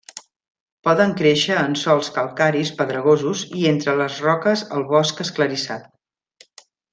Poden créixer en sòls calcaris pedregosos i entre les roques al bosc esclarissat.